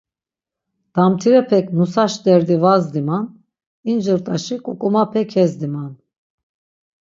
Damtirepek nusaş derdi va zdiman, incirt̆aşi ǩuǩumape kezdiman.